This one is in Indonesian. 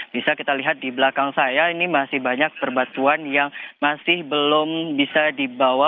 bisa kita lihat di belakang saya ini masih banyak perbatuan yang masih belum bisa dibawa